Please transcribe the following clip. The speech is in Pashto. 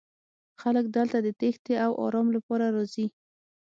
خلک دلته د تیښتې او ارام لپاره راځي